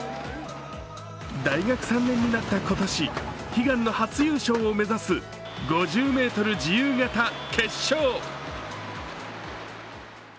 大学３年になった今年、悲願の初優勝を目指す５０メートル自由形決勝。